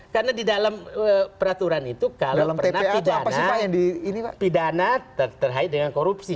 karena di dalam peraturan itu kalau pernah pidana terkait dengan korupsi